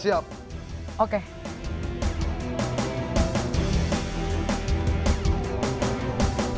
ini harga yang sama